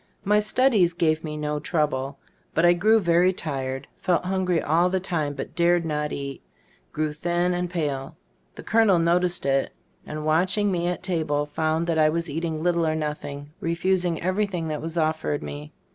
My studies gave me no trouble, but I grew very tired, felt hungry all the time but dared not eat, grew thin and pale. The colonel noticed it, and watching me at table found that I was eating little or nothing, refusing everything that was offered me.